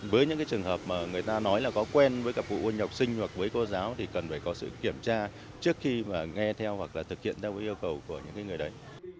với những trường hợp mà người ta nói là có quen với cặp phụ huynh học sinh hoặc với cô giáo thì cần phải có sự kiểm tra trước khi mà nghe theo hoặc là thực hiện theo yêu cầu của những người đấy